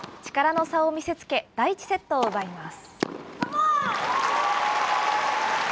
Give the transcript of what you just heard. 力の差を見せつけ、第１セットを奪います。